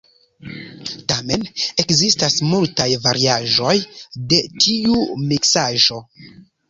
Tamen ekzistas multaj variaĵoj de tiu miksaĵo.